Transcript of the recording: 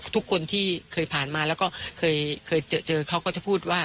ทุกคนที่เคยผ่านมาแล้วก็เคยเจอเขาก็จะพูดว่า